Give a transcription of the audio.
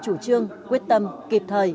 chủ trương quyết tâm kịp thời